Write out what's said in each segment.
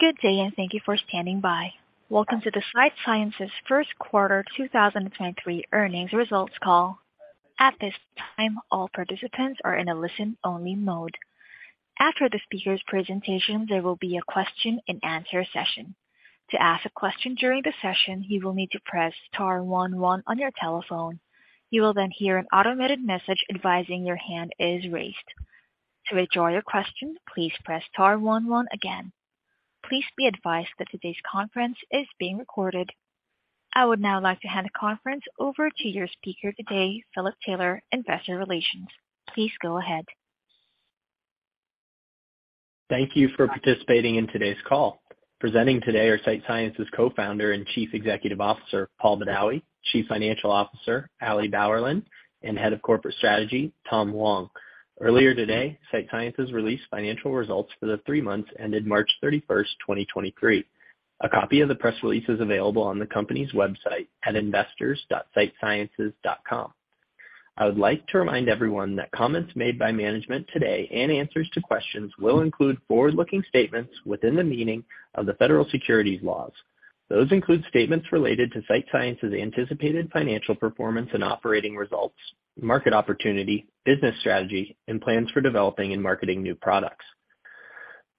Good day. Thank you for standing by. Welcome to the Sight Sciences first quarter 2023 earnings results call. At this time, all participants are in a listen-only mode. After the speaker's presentation, there will be a question and answer session. To ask a question during the session, you will need to press star one one on your telephone. You will hear an automated message advising your hand is raised. To withdraw your question, please press star one one again. Please be advised that today's conference is being recorded. I would now like to hand the conference over to your speaker today, Philip Taylor, Investor Relations. Please go ahead. Thank you for participating in today's call. Presenting today are Sight Sciences Co-Founder and Chief Executive Officer, Paul Badawi, Chief Financial Officer, Ali Bauerlein, and Head of Corporate Strategy, Tom Huang. Earlier today, Sight Sciences released financial results for the 3 months ended March 31, 2023. A copy of the press release is available on the company's website at investors.sightsciences.com. I would like to remind everyone that comments made by management today and answers to questions will include forward-looking statements within the meaning of the federal securities laws. Those include statements related to Sight Sciences anticipated financial performance and operating results, market opportunity, business strategy, and plans for developing and marketing new products.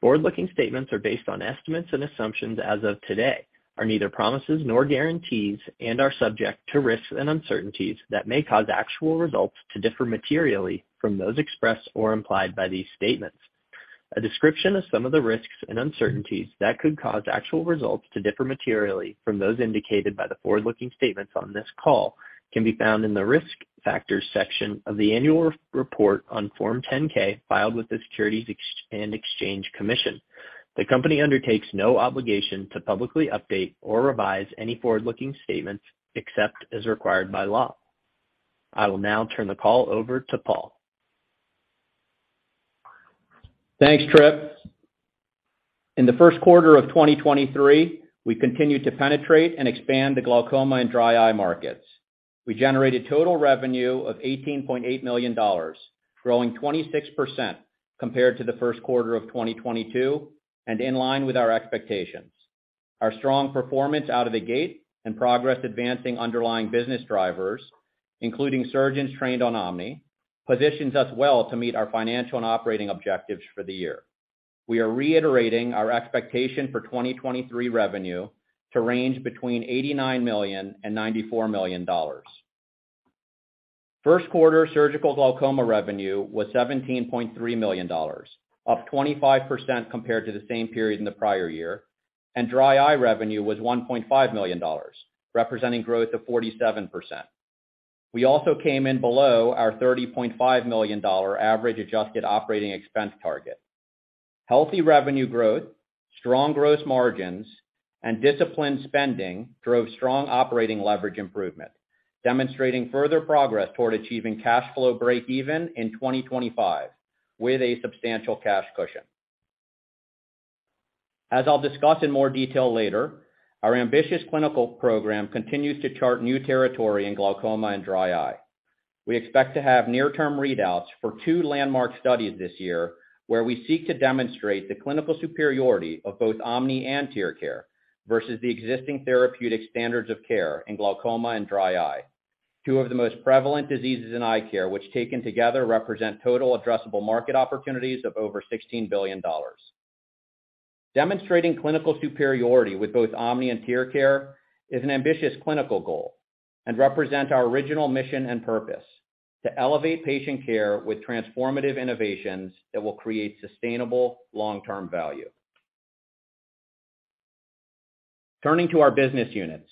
Forward-looking statements are based on estimates and assumptions as of today, are neither promises nor guarantees, and are subject to risks and uncertainties that may cause actual results to differ materially from those expressed or implied by these statements. A description of some of the risks and uncertainties that could cause actual results to differ materially from those indicated by the forward-looking statements on this call can be found in the Risk Factors section of the annual report on Form 10-K filed with the Securities and Exchange Commission. The company undertakes no obligation to publicly update or revise any forward-looking statements except as required by law. I will now turn the call over to Paul. Thanks, Trip. In the first quarter of 2023, we continued to penetrate and expand the glaucoma and dry eye markets. We generated total revenue of $18.8 million, growing 26% compared to the first quarter of 2022 and in line with our expectations. Our strong performance out of the gate and progress advancing underlying business drivers, including surgeons trained on OMNI, positions us well to meet our financial and operating objectives for the year. We are reiterating our expectation for 2023 revenue to range between $89 million and $94 million. First quarter surgical glaucoma revenue was $17.3 million, up 25% compared to the same period in the prior year, and dry eye revenue was $1.5 million, representing growth of 47%. We also came in below our $30.5 million average adjusted operating expense target. Healthy revenue growth, strong gross margins, and disciplined spending drove strong operating leverage improvement, demonstrating further progress toward achieving cash flow breakeven in 2025 with a substantial cash cushion. As I'll discuss in more detail later, our ambitious clinical program continues to chart new territory in glaucoma and dry eye. We expect to have near-term readouts for two landmark studies this year, where we seek to demonstrate the clinical superiority of both OMNI and TearCare versus the existing therapeutic standards of care in glaucoma and dry eye, two of the most prevalent diseases in eye care, which taken together represent total addressable market opportunities of over $16 billion. Demonstrating clinical superiority with both OMNI and TearCare is an ambitious clinical goal and represent our original mission and purpose to elevate patient care with transformative innovations that will create sustainable long-term value. Turning to our business units.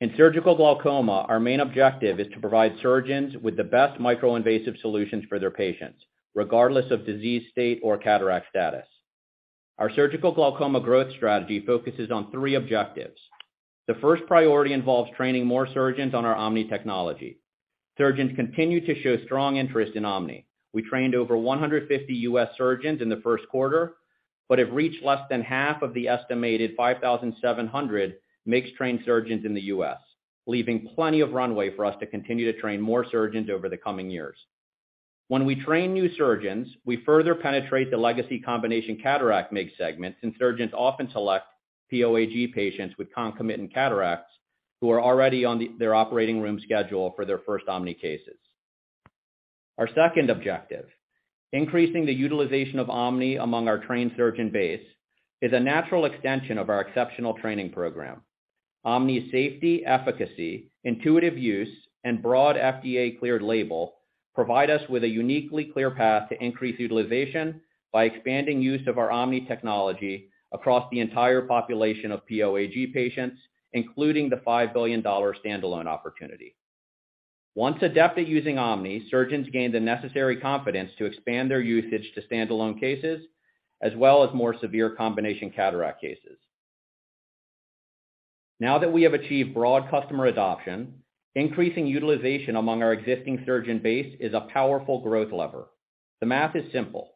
In surgical glaucoma, our main objective is to provide surgeons with the best micro-invasive solutions for their patients, regardless of disease state or cataract status. Our surgical glaucoma growth strategy focuses on three objectives. The first priority involves training more surgeons on our OMNI technology. Surgeons continue to show strong interest in OMNI. We trained over 150 U.S. surgeons in the first quarter, but have reached less than half of the estimated 5,700 MIGS trained surgeons in the U.S., leaving plenty of runway for us to continue to train more surgeons over the coming years. When we train new surgeons, we further penetrate the legacy combination cataract MIGS segment, and surgeons often select POAG patients with concomitant cataracts who are already on their operating room schedule for their first OMNI cases. Our second objective, increasing the utilization of OMNI among our trained surgeon base, is a natural extension of our exceptional training program. OMNI's safety, efficacy, intuitive use, and broad FDA-cleared label provide us with a uniquely clear path to increase utilization by expanding use of our OMNI technology across the entire population of POAG patients, including the $5 billion standalone opportunity. Once adept at using OMNI, surgeons gain the necessary confidence to expand their usage to standalone cases as well as more severe combination cataract cases. Now that we have achieved broad customer adoption, increasing utilization among our existing surgeon base is a powerful growth lever. The math is simple.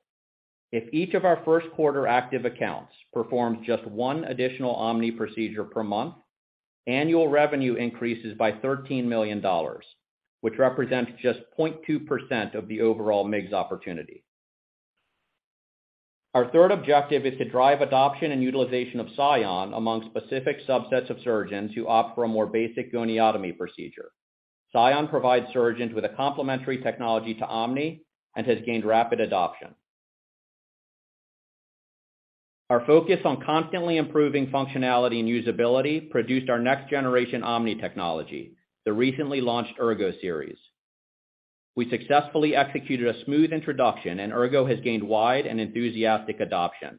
If each of our first quarter active accounts performs just one additional OMNI procedure per month, annual revenue increases by $13 million, which represents just 0.2% of the overall MIGS opportunity. Our third objective is to drive adoption and utilization of SION among specific subsets of surgeons who opt for a more basic goniotomy procedure. SION provides surgeons with a complementary technology to OMNI and has gained rapid adoption. Our focus on constantly improving functionality and usability produced our next generation OMNI technology, the recently launched Ergo-Series. We successfully executed a smooth introduction, and Ergo has gained wide and enthusiastic adoption.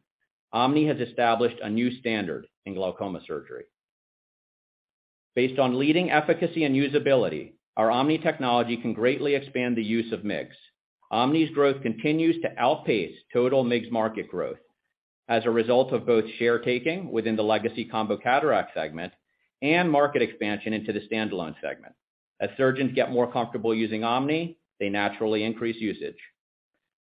OMNI has established a new standard in glaucoma surgery. Based on leading efficacy and usability, our OMNI technology can greatly expand the use of MIGS. OMNI's growth continues to outpace total MIGS market growth as a result of both share taking within the legacy combo cataract segment and market expansion into the standalone segment. As surgeons get more comfortable using OMNI, they naturally increase usage.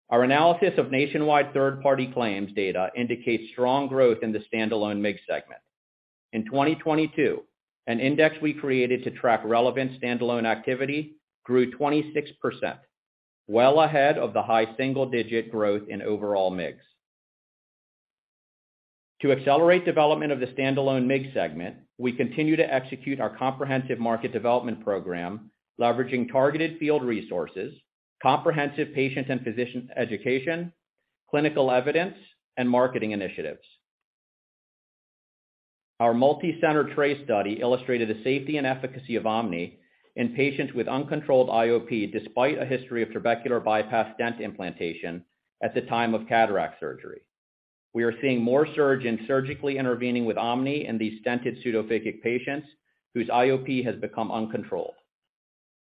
Our analysis of nationwide third-party claims data indicates strong growth in the standalone MIGS segment. In 2022, an index we created to track relevant standalone activity grew 26%, well ahead of the high single-digit growth in overall MIGS. To accelerate development of the standalone MIGS segment, we continue to execute our comprehensive market development program, leveraging targeted field resources, comprehensive patient and physician education, clinical evidence, and marketing initiatives. Our multicenter TRAY study illustrated the safety and efficacy of OMNI in patients with uncontrolled IOP despite a history of trabecular bypass stent implantation at the time of cataract surgery. We are seeing more surgeons surgically intervening with OMNI in these stented pseudophakic patients whose IOP has become uncontrolled.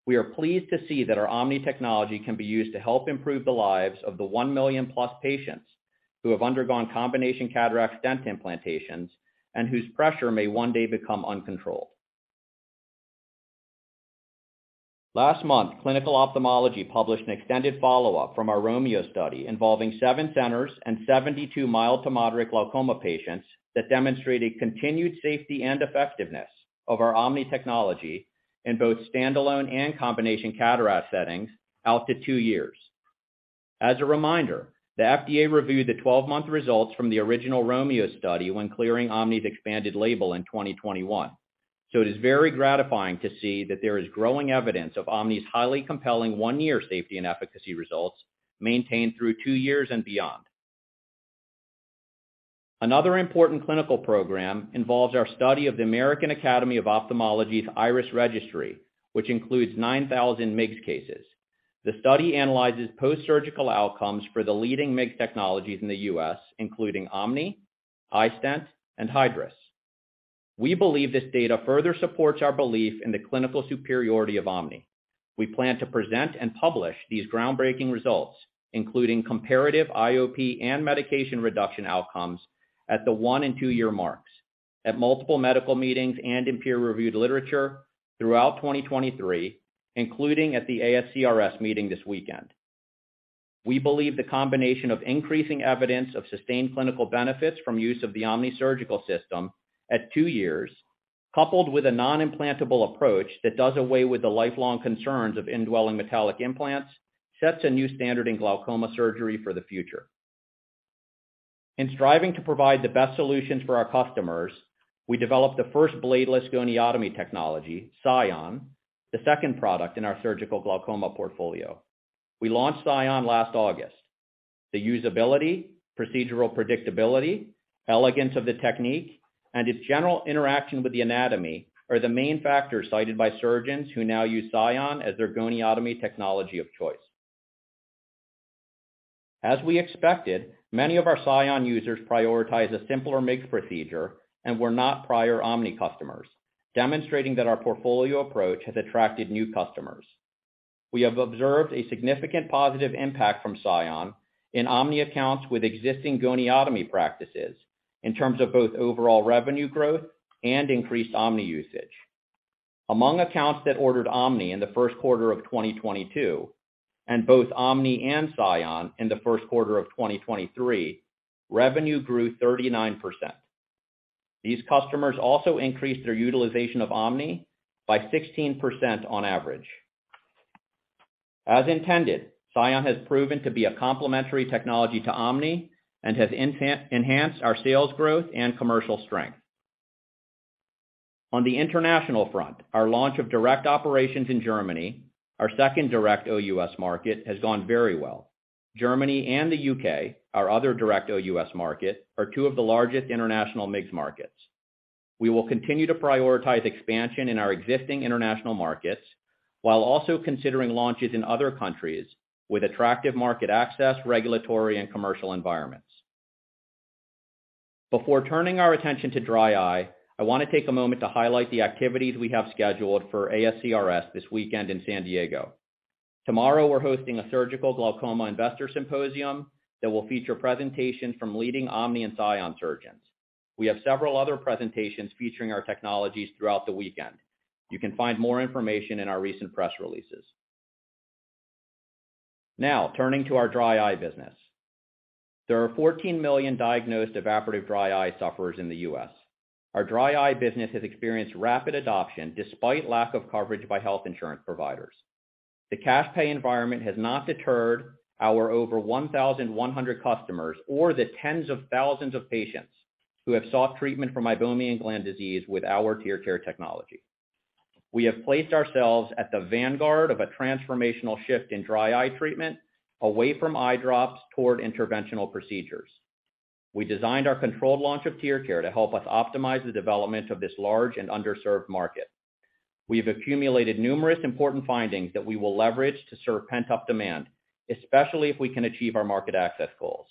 We are pleased to see that our OMNI technology can be used to help improve the lives of the 1 million-plus patients who have undergone combination cataract stent implantations and whose pressure may one day become uncontrolled. Last month, Clinical Ophthalmology published an extended follow-up from our ROMEO study involving seven centers and 72 mild to moderate glaucoma patients that demonstrated continued safety and effectiveness of our OMNI technology in both standalone and combination cataract settings out to 2 years. As a reminder, the FDA reviewed the 12-month results from the original ROMEO study when clearing OMNI's expanded label in 2021. It is very gratifying to see that there is growing evidence of OMNI's highly compelling 1-year safety and efficacy results maintained through 2 years and beyond. Another important clinical program involves our study of the American Academy of Ophthalmology's IRIS Registry, which includes 9,000 MIGS cases. The study analyzes postsurgical outcomes for the leading MIGS technologies in the U.S., including OMNI, iStent, and Hydrus. We believe this data further supports our belief in the clinical superiority of OMNI. We plan to present and publish these groundbreaking results, including comparative IOP and medication reduction outcomes at the one and two-year marks at multiple medical meetings and in peer-reviewed literature throughout 2023, including at the ASCRS meeting this weekend. We believe the combination of increasing evidence of sustained clinical benefits from use of the OMNI Surgical System at two years, coupled with a non-implantable approach that does away with the lifelong concerns of indwelling metallic implants, sets a new standard in glaucoma surgery for the future. In striving to provide the best solutions for our customers, we developed the first bladeless goniotomy technology, SION, the second product in our surgical glaucoma portfolio. We launched SION last August. The usability, procedural predictability, elegance of the technique, and its general interaction with the anatomy are the main factors cited by surgeons who now use SION as their goniotomy technology of choice. As we expected, many of our SION users prioritize a simpler MIGS procedure and were not prior OMNI customers, demonstrating that our portfolio approach has attracted new customers. We have observed a significant positive impact from SION in OMNI accounts with existing goniotomy practices in terms of both overall revenue growth and increased OMNI usage. Among accounts that ordered OMNI in the 1st quarter of 2022 and both OMNI and SION in the 1st quarter of 2023, revenue grew 39%. These customers also increased their utilization of OMNI by 16% on average. As intended, SION has proven to be a complementary technology to OMNI and has enhanced our sales growth and commercial strength. On the international front, our launch of direct operations in Germany, our second direct OUS market, has gone very well. Germany and the U.K., our other direct OUS market, are two of the largest international MIGS markets. We will continue to prioritize expansion in our existing international markets while also considering launches in other countries with attractive market access, regulatory, and commercial environments. Before turning our attention to dry eye, I want to take a moment to highlight the activities we have scheduled for ASCRS this weekend in San Diego. Tomorrow, we're hosting a surgical glaucoma investor symposium that will feature presentations from leading OMNI and SION surgeons. We have several other presentations featuring our technologies throughout the weekend. You can find more information in our recent press releases. Turning to our dry eye business. There are 14 million diagnosed evaporative dry eye sufferers in the U.S. Our dry eye business has experienced rapid adoption despite lack of coverage by health insurance providers. The cash pay environment has not deterred our over 1,100 customers or the tens of thousands of patients who have sought treatment for meibomian gland disease with our TearCare technology. We have placed ourselves at the vanguard of a transformational shift in dry eye treatment away from eye drops toward interventional procedures. We designed our controlled launch of TearCare to help us optimize the development of this large and underserved market. We have accumulated numerous important findings that we will leverage to serve pent-up demand, especially if we can achieve our market access goals.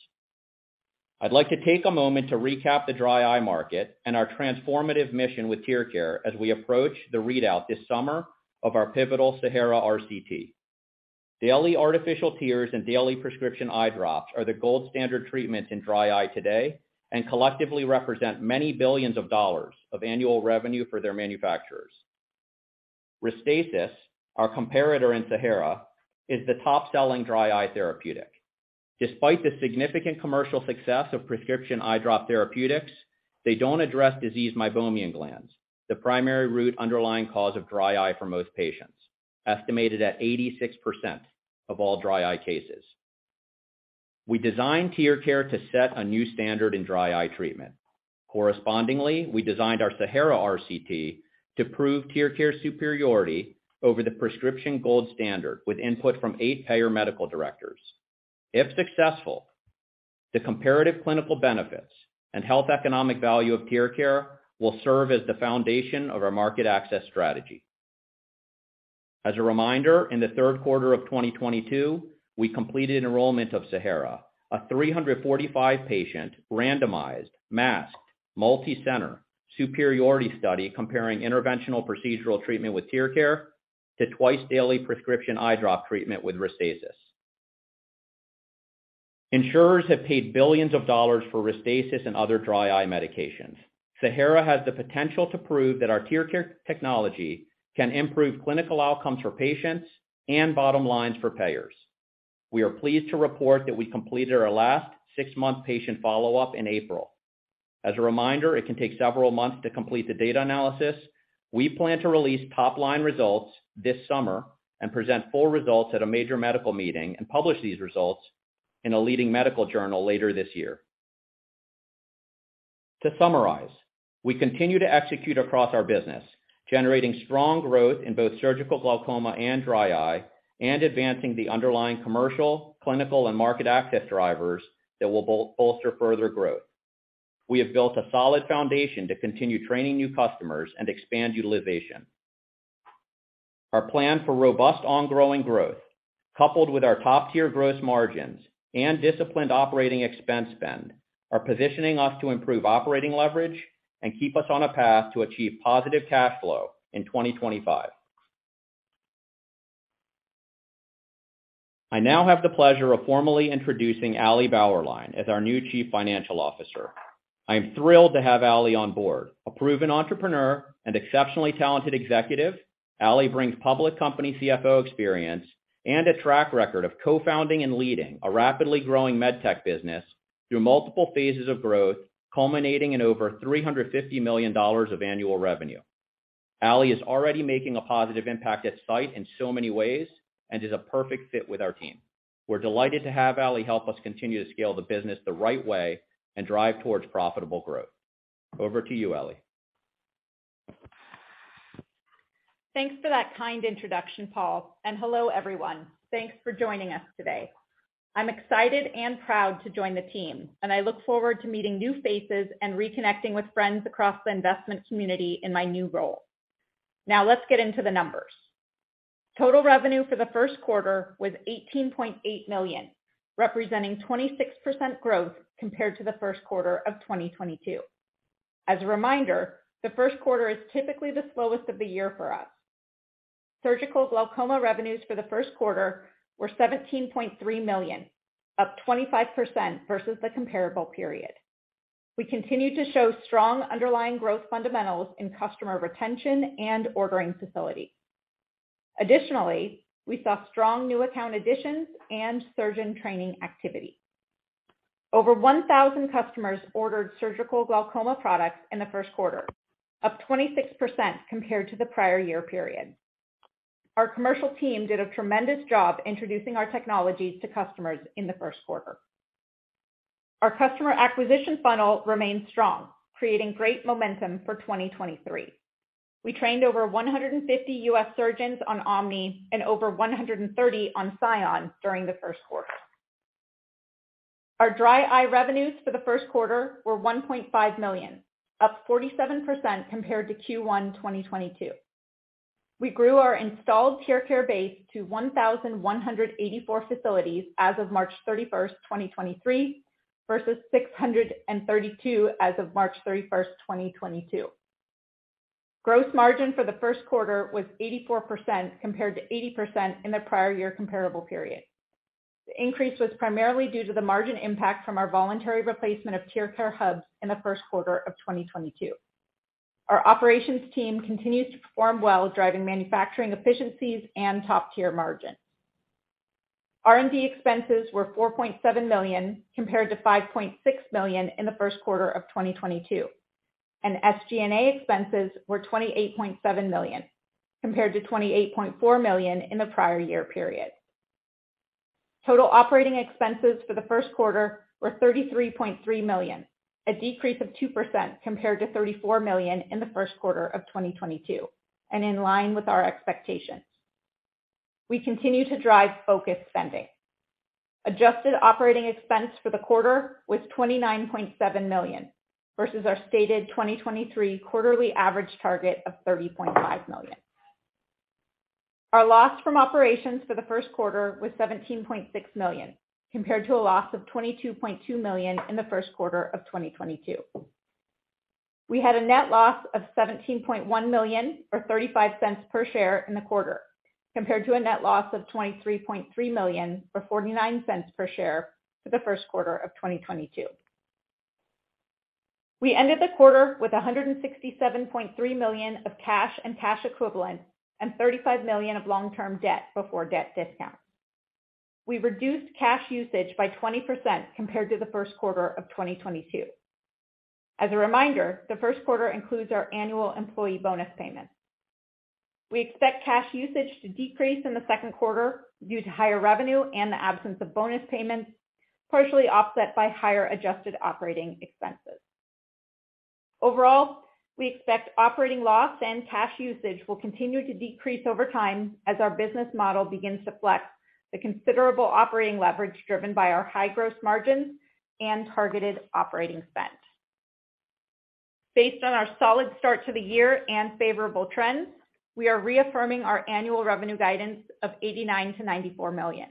I'd like to take a moment to recap the dry eye market and our transformative mission with TearCare as we approach the readout this summer of our pivotal SAHARA RCT. Daily artificial tears and daily prescription eye drops are the gold standard treatment in dry eye today and collectively represent many billions of dollars of annual revenue for their manufacturers. Restasis, our comparator in SAHARA, is the top-selling dry eye therapeutic. Despite the significant commercial success of prescription eye drop therapeutics, they don't address diseased meibomian glands, the primary root underlying cause of dry eye for most patients, estimated at 86% of all dry eye cases. We designed TearCare to set a new standard in dry eye treatment. Correspondingly, we designed our SAHARA RCT to prove TearCare superiority over the prescription gold standard with input from 8 payer medical directors. If successful, the comparative clinical benefits and health economic value of TearCare will serve as the foundation of our market access strategy. As a reminder, in the 3rd quarter of 2022, we completed enrollment of SAHARA, a 345 patient, randomized, masked, multicenter, superiority study comparing interventional procedural treatment with TearCare to twice-daily prescription eye drop treatment with Restasis. Insurers have paid billions of dollars for Restasis and other dry eye medications. SAHARA has the potential to prove that our TearCare technology can improve clinical outcomes for patients and bottom lines for payers. We are pleased to report that we completed our last 6-month patient follow-up in April. As a reminder, it can take several months to complete the data analysis. We plan to release top-line results this summer and present full results at a major medical meeting and publish these results in a leading medical journal later this year. To summarize, we continue to execute across our business, generating strong growth in both surgical glaucoma and dry eye, and advancing the underlying commercial, clinical, and market access drivers that will bolster further growth. We have built a solid foundation to continue training new customers and expand utilization. Our plan for robust ongoing growth, coupled with our top-tier gross margins and disciplined operating expense spend, are positioning us to improve operating leverage and keep us on a path to achieve positive cash flow in 2025. I now have the pleasure of formally introducing Ali Bauerlein as our new Chief Financial Officer. I am thrilled to have Ali on board. A proven entrepreneur, an exceptionally talented executive, Ali brings public company CFO experience and a track record of co-founding and leading a rapidly growing med tech business through multiple phases of growth, culminating in over $350 million of annual revenue. Ali is already making a positive impact at Sight in so many ways and is a perfect fit with our team. We're delighted to have Ali help us continue to scale the business the right way and drive towards profitable growth. Over to you, Ali. Thanks for that kind introduction, Paul. Hello, everyone. Thanks for joining us today. I'm excited and proud to join the team, and I look forward to meeting new faces and reconnecting with friends across the investment community in my new role. Now let's get into the numbers. Total revenue for the first quarter was $18.8 million, representing 26% growth compared to the first quarter of 2022. As a reminder, the first quarter is typically the slowest of the year for us. Surgical glaucoma revenues for the first quarter were $17.3 million, up 25% versus the comparable period. We continue to show strong underlying growth fundamentals in customer retention and ordering facility. Additionally, we saw strong new account additions and surgeon training activity. Over 1,000 customers ordered surgical glaucoma products in the first quarter, up 26% compared to the prior year period. Our commercial team did a tremendous job introducing our technologies to customers in the first quarter. Our customer acquisition funnel remains strong, creating great momentum for 2023. We trained over 150 U.S. surgeons on OMNI and over 130 on SION during the first quarter. Our dry eye revenues for the first quarter were $1.5 million, up 47% compared to Q1 2022. We grew our installed TearCare base to 1,184 facilities as of March 31st, 2023, versus 632 as of March 31st, 2022. Gross margin for the first quarter was 84% compared to 80% in the prior year comparable period. The increase was primarily due to the margin impact from our voluntary replacement of TearCare hubs in the first quarter of 2022. Our operations team continues to perform well, driving manufacturing efficiencies and top-tier margins. R&D expenses were $4.7 million compared to $5.6 million in the first quarter of 2022, and SG&A expenses were $28.7 million compared to $28.4 million in the prior year period. Total operating expenses for the first quarter were $33.3 million, a decrease of 2% compared to $34 million in the first quarter of 2022, and in line with our expectations. We continue to drive focused spending. Adjusted operating expense for the quarter was $29.7 million versus our stated 2023 quarterly average target of $30.5 million. Our loss from operations for the first quarter was $17.6 million compared to a loss of $22.2 million in the first quarter of 2022. We had a net loss of $17.1 million, or $0.35 per share in the quarter, compared to a net loss of $23.3 million, or $0.49 per share for the first quarter of 2022. We ended the quarter with $167.3 million of cash and cash equivalent and $35 million of long-term debt before debt discount. We reduced cash usage by 20% compared to the first quarter of 2022. As a reminder, the first quarter includes our annual employee bonus payment. We expect cash usage to decrease in the second quarter due to higher revenue and the absence of bonus payments, partially offset by higher adjusted operating expenses. Overall, we expect operating loss and cash usage will continue to decrease over time as our business model begins to flex the considerable operating leverage driven by our high gross margins and targeted operating spend. Based on our solid start to the year and favorable trends, we are reaffirming our annual revenue guidance of $89 million-$94 million.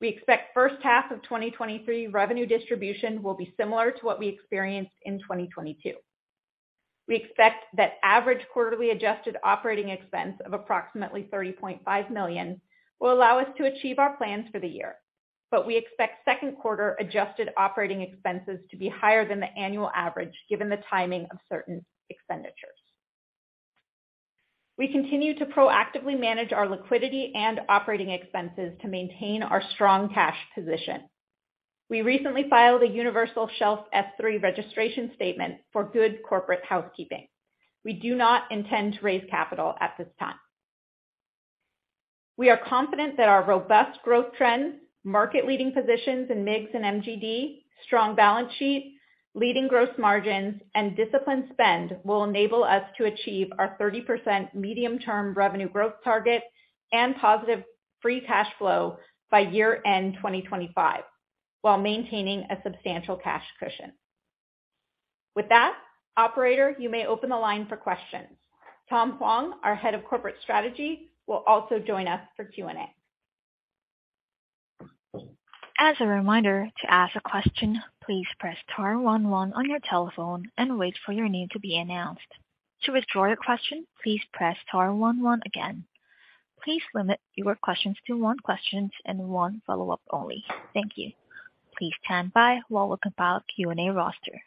We expect first half of 2023 revenue distribution will be similar to what we experienced in 2022. We expect that average quarterly adjusted OpEx of approximately $30.5 million will allow us to achieve our plans for the year. We expect second quarter adjusted OpEx to be higher than the annual average, given the timing of certain expenditures. We continue to proactively manage our liquidity and OpEx to maintain our strong cash position. We recently filed a universal shelf S-3 registration statement for good corporate housekeeping. We do not intend to raise capital at this time. We are confident that our robust growth trends, market leading positions in MIGS and MGD, strong balance sheet, leading gross margins and disciplined spend will enable us to achieve our 30% medium-term revenue growth target and positive free cash flow by year end 2025, while maintaining a substantial cash cushion. With that, operator, you may open the line for questions. Tom Huang, our Head of Corporate Strategy, will also join us for Q&A. As a reminder, to ask a question, please press star one one on your telephone and wait for your name to be announced. To withdraw your question, please press star one one again. Please limit your questions to 1 questions and one follow-up only. Thank you. Please stand by while we compile Q&A roster.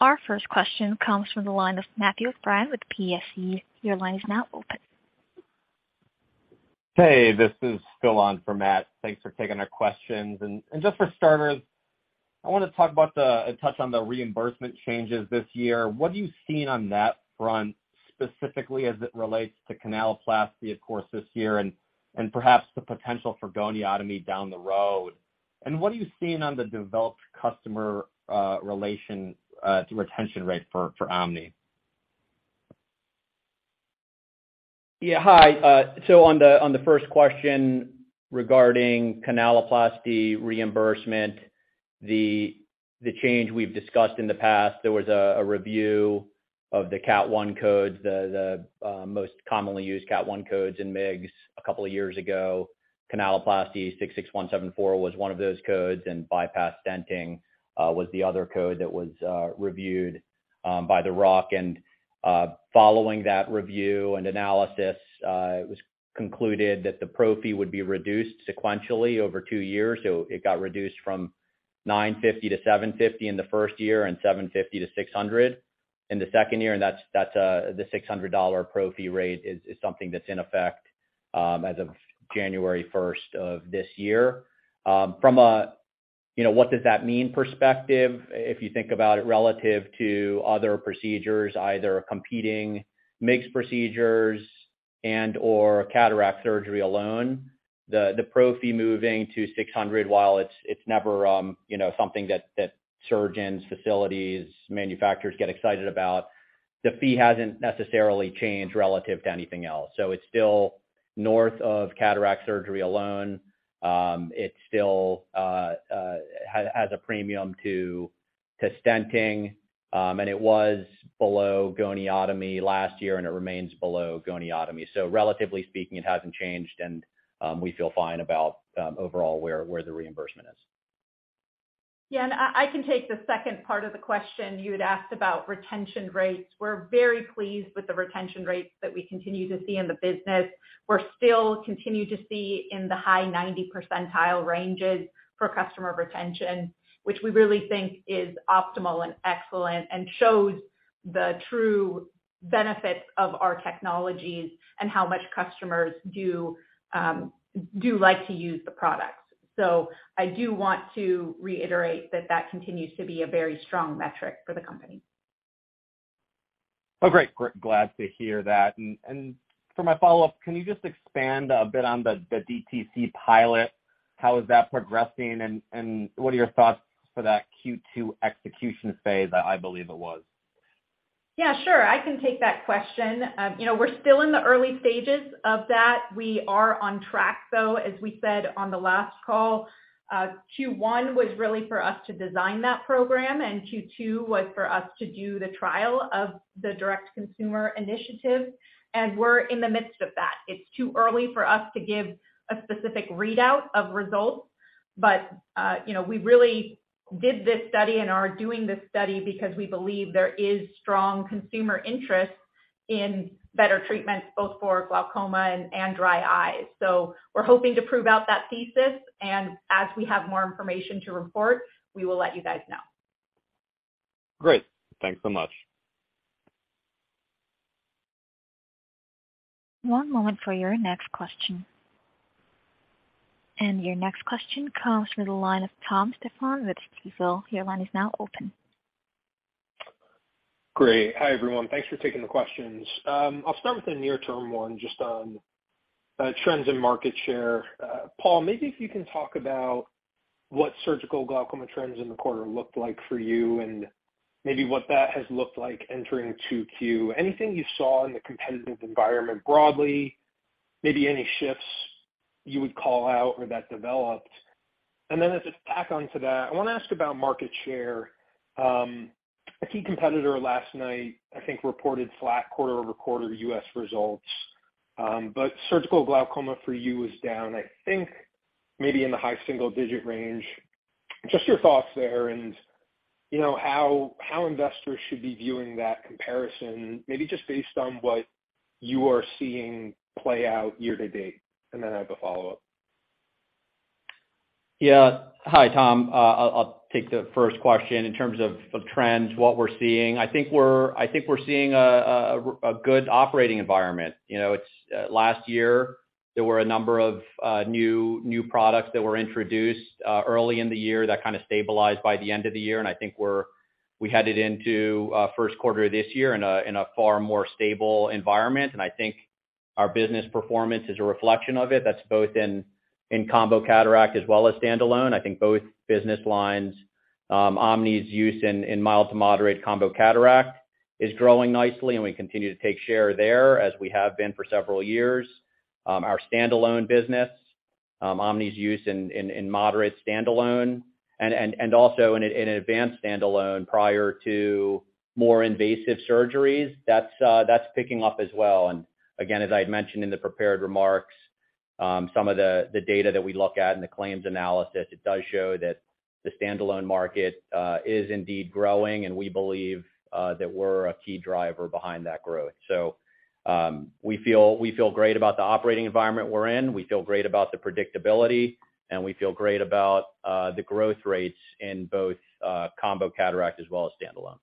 Our first question comes from the line of Matthew O'Brien with PSE. Your line is now open. Hey, this is Phil on for Matt. Thanks for taking our questions. Just for starters, I want to talk about the, and touch on the reimbursement changes this year. What are you seeing on that front, specifically as it relates to canaloplasty, of course, this year and perhaps the potential for goniotomy down the road? What are you seeing on the developed customer relation to retention rate for OMNI? Yeah. Hi. On the first question regarding Canaloplasty reimbursement, the change we've discussed in the past, there was a review of the Category I codes, the most commonly used Category I codes in MIGS a couple of years ago. Canaloplasty 66174 was one of those codes, bypass stenting was the other code that was reviewed by the RUC. Following that review and analysis, it was concluded that the pro-fee would be reduced sequentially over 2 years. It got reduced from $950 to $750 in the first year and $750 to $600 in the second year. That's the $600 pro-fee rate is something that's in effect as of January first of this year. From a, you know, what does that mean perspective, if you think about it relative to other procedures, either competing MIGS procedures and/or cataract surgery alone, the pro-fee moving to $600, while it's never, you know, something that surgeons, facilities, manufacturers get excited about. The fee hasn't necessarily changed relative to anything else. It's still north of cataract surgery alone. It still has a premium to stenting. It was below goniotomy last year, and it remains below goniotomy. Relatively speaking, it hasn't changed. We feel fine about overall where the reimbursement is. Yeah, I can take the second part of the question. You had asked about retention rates. We're very pleased with the retention rates that we continue to see in the business. We're still continue to see in the high 90 percentile ranges for customer retention, which we really think is optimal and excellent and shows the true benefits of our technologies and how much customers do like to use the products. I do want to reiterate that that continues to be a very strong metric for the company. Oh, great. glad to hear that. For my follow-up, can you just expand a bit on the DTC pilot? How is that progressing and what are your thoughts for that Q2 execution phase, I believe it was? Yeah, sure. I can take that question. you know, we're still in the early stages of that. We are on track, though, as we said on the last call. Q1 was really for us to design that program. Q2 was for us to do the trial of the direct-to-consumer initiative. We're in the midst of that. It's too early for us to give a specific readout of results. you know, we really did this study and are doing this study because we believe there is strong consumer interest in better treatments both for glaucoma and dry eyes. We're hoping to prove out that thesis. As we have more information to report, we will let you guys know. Great. Thanks so much. One moment for your next question. Your next question comes from the line of Thomas Stephan with Stifel. Your line is now open. Great. Hi, everyone. Thanks for taking the questions. I'll start with a near-term one just on trends in market share. Paul, maybe if you can talk about what surgical glaucoma trends in the quarter looked like for you and maybe what that has looked like entering 2Q. Anything you saw in the competitive environment broadly, maybe any shifts you would call out or that developed. As a tack on to that, I wanna ask about market share. A key competitor last night, I think, reported flat quarter-over-quarter U.S. results. Surgical glaucoma for you was down, I think, maybe in the high single-digit range. Just your thoughts there and, you know, how investors should be viewing that comparison, maybe just based on what you are seeing play out year-to-date. I have a follow-up. Yeah. Hi, Tom. I'll take the first question. In terms of trends, what we're seeing, I think we're seeing a good operating environment. You know, it's last year, there were a number of new products that were introduced early in the year that kind of stabilized by the end of the year. I think we headed into first quarter this year in a far more stable environment. I think our business performance is a reflection of it. That's both in combo cataract as well as standalone. I think both business lines, OMNI's use in mild to moderate combo cataract is growing nicely, we continue to take share there as we have been for several years. Our standalone business, OMNI's use in moderate standalone and also in an advanced standalone prior to more invasive surgeries, that's picking up as well. Again, as I had mentioned in the prepared remarks, some of the data that we look at in the claims analysis, it does show that the standalone market is indeed growing, and we believe that we're a key driver behind that growth. We feel great about the operating environment we're in, we feel great about the predictability, and we feel great about the growth rates in both combo cataract as well as standalone.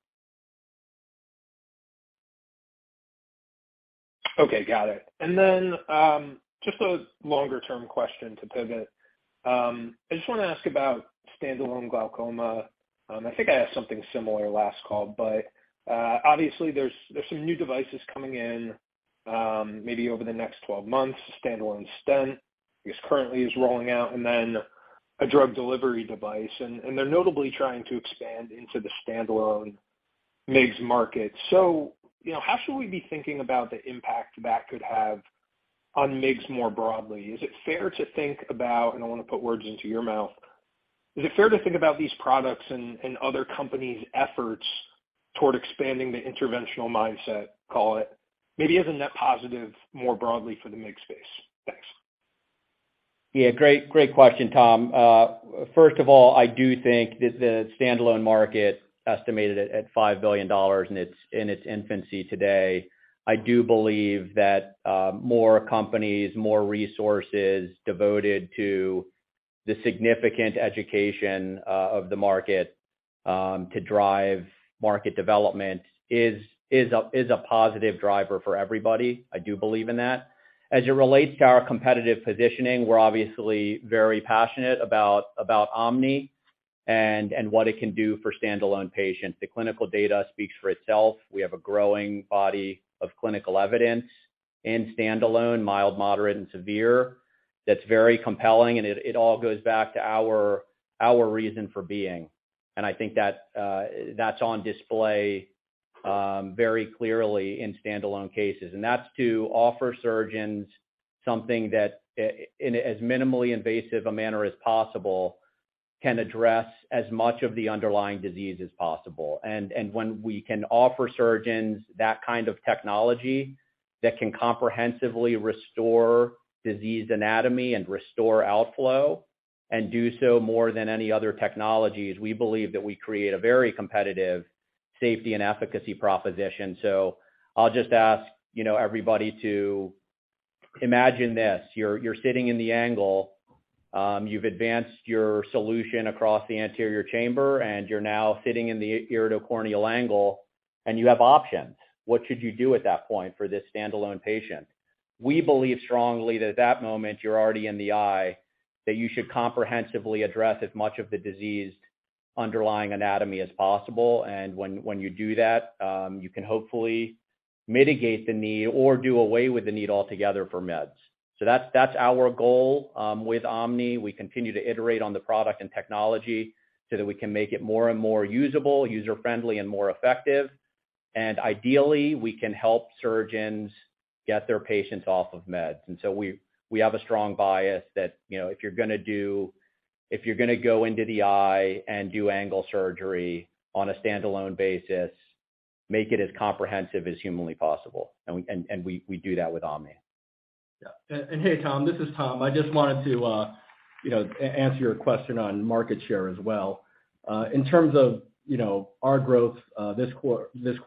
Okay, got it. Just a longer-term question to pivot. I just wanna ask about standalone glaucoma. I think I asked something similar last call, obviously there's some new devices coming in, maybe over the next 12 months, standalone stent is currently rolling out and then a drug delivery device. They're notably trying to expand into the standalone MIGS market. You know, how should we be thinking about the impact that could have on MIGS more broadly? Is it fair to think about, and I don't wanna put words into your mouth, is it fair to think about these products and other companies' efforts toward expanding the interventional mindset, call it, maybe as a net positive more broadly for the MIGS space? Thanks. Great, great question, Tom. First of all, I do think that the standalone market estimated at $5 billion in its infancy today. I do believe that more companies, more resources devoted to the significant education of the market to drive market development is a positive driver for everybody. I do believe in that. As it relates to our competitive positioning, we're obviously very passionate about OMNI and what it can do for standalone patients. The clinical data speaks for itself. We have a growing body of clinical evidence in standalone, mild, moderate, and severe that's very compelling, and it all goes back to our reason for being. I think that's on display very clearly in standalone cases. That's to offer surgeons something that in a as minimally invasive a manner as possible can address as much of the underlying disease as possible. When we can offer surgeons that kind of technology that can comprehensively restore diseased anatomy and restore outflow and do so more than any other technologies. We believe that we create a very competitive safety and efficacy proposition. I'll just ask, you know, everybody to imagine this. You're sitting in the angle, you've advanced your solution across the anterior chamber, and you're now sitting in the iridocorneal angle, and you have options. What should you do at that point for this standalone patient? We believe strongly that at that moment, you're already in the eye, that you should comprehensively address as much of the diseased underlying anatomy as possible. When you do that, you can hopefully mitigate the need or do away with the need altogether for meds. That's our goal with OMNI. We continue to iterate on the product and technology so that we can make it more and more usable, user-friendly, and more effective. Ideally, we can help surgeons get their patients off of meds. We have a strong bias that, you know, if you're gonna go into the eye and do angle surgery on a standalone basis, make it as comprehensive as humanly possible. We do that with OMNI. Yeah. Hey, Tom, this is Tom. I just wanted to, you know, answer your question on market share as well. In terms of, you know, our growth, this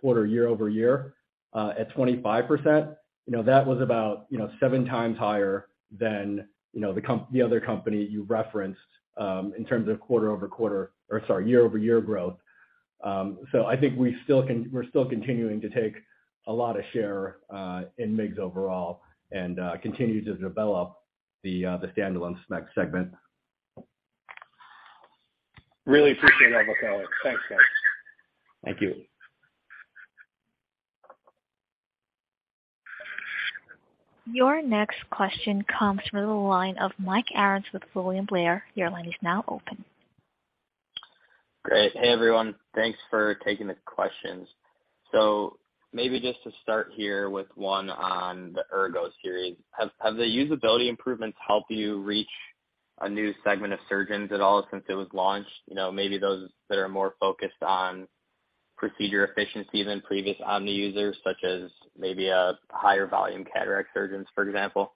quarter year-over-year, at 25%, you know, that was about, you know, seven times higher than, you know, the other company you referenced, in terms of year-over-year growth. I think we're still continuing to take a lot of share in MIGS overall and continue to develop the standalone SMEX segment. Really appreciate that, Michelle.Thanks, guys. Thank you. Your next question comes from the line of Mike Arens with William Blair. Your line is now open. Great. Hey, everyone. Thanks for taking the questions. Maybe just to start here with one on the Ergo-Series. Have the usability improvements helped you reach a new segment of surgeons at all since it was launched? You know, maybe those that are more focused on procedure efficiency than previous OMNI users, such as maybe, higher volume cataract surgeons, for example?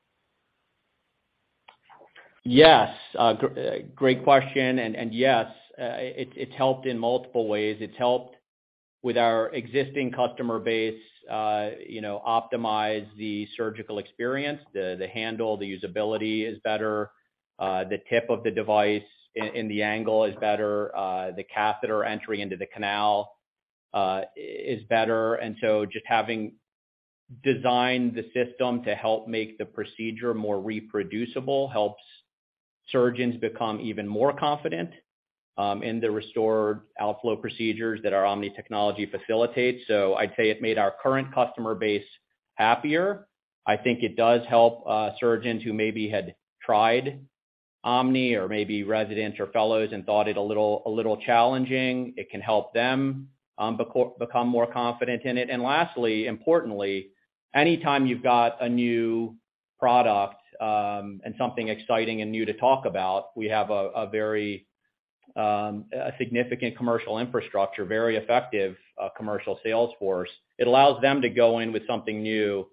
Yes. Great question. Yes, it's helped in multiple ways. It's helped with our existing customer base, you know, optimize the surgical experience. The handle, the usability is better. The tip of the device in the angle is better. The catheter entry into the canal is better. Just having designed the system to help make the procedure more reproducible helps surgeons become even more confident in the restored outflow procedures that our OMNI technology facilitates. I'd say it made our current customer base happier. I think it does help surgeons who maybe had tried OMNI or maybe residents or fellows and thought it a little challenging. It can help them become more confident in it. Importantly, anytime you've got a new product, and something exciting and new to talk about, we have a very significant commercial infrastructure, very effective commercial sales force. It allows them to go in with something new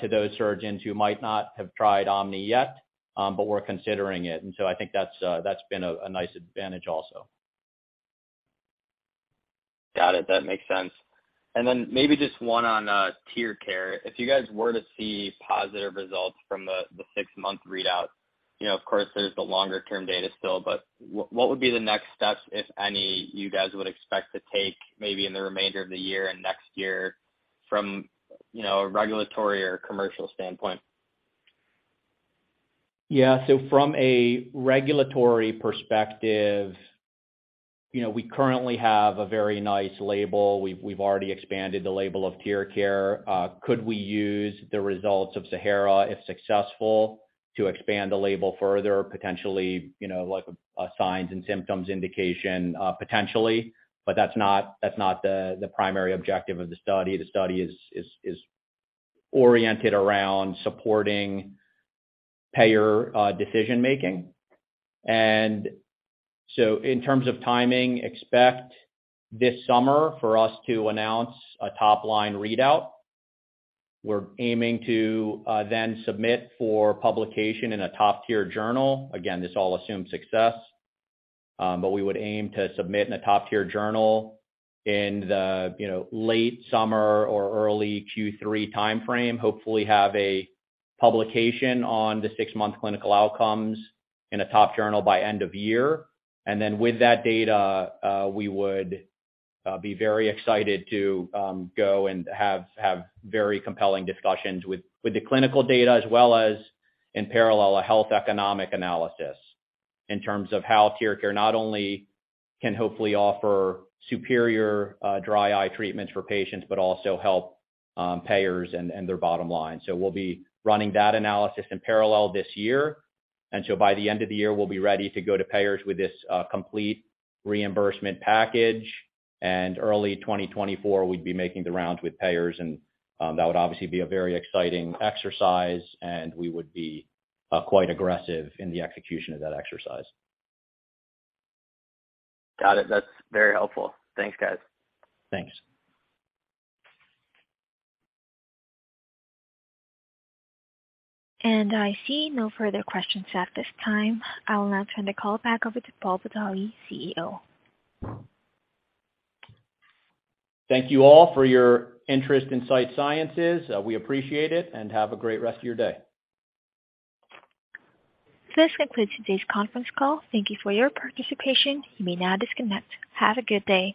to those surgeons who might not have tried OMNI yet, but were considering it. I think that's been a nice advantage also. Got it. That makes sense. Maybe just one on TearCare. If you guys were to see positive results from the six-month readout, you know, of course, there's the longer-term data still, but what would be the next steps, if any, you guys would expect to take maybe in the remainder of the year and next year from, you know, a regulatory or commercial standpoint? Yeah. From a regulatory perspective, you know, we currently have a very nice label. We've already expanded the label of TearCare. Could we use the results of SAHARA, if successful, to expand the label further, potentially, you know, like, signs and symptoms indication? Potentially, that's not the primary objective of the study. The study is oriented around supporting payer decision-making. In terms of timing, expect this summer for us to announce a top-line readout. We're aiming to then submit for publication in a top-tier journal. Again, this all assumes success. We would aim to submit in a top-tier journal in the, you know, late summer or early Q3 timeframe. Hopefully have a publication on the six-month clinical outcomes in a top journal by end of year. With that data, we would be very excited to go and have very compelling discussions with the clinical data, as well as in parallel, a health economic analysis in terms of how TearCare not only can hopefully offer superior dry eye treatments for patients but also help payers and their bottom line. We'll be running that analysis in parallel this year. By the end of the year, we'll be ready to go to payers with this complete reimbursement package. Early 2024, we'd be making the rounds with payers, that would obviously be a very exciting exercise, and we would be quite aggressive in the execution of that exercise. Got it. That's very helpful. Thanks, guys. Thanks. I see no further questions at this time. I will now turn the call back over to Paul Badawi, CEO. Thank you all for your interest in Sight Sciences. We appreciate it, and have a great rest of your day. This concludes today's conference call. Thank you for your participation. You may now disconnect. Have a good day.